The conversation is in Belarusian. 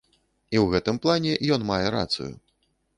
І ў гэтым плане ён мае рацыю.